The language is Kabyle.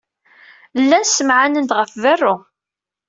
Llan ssemɛanen-d ɣef berru.